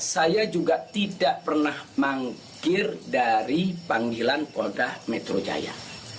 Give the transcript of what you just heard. saya juga tidak pernah mangkir dari panggilan polda metro jaya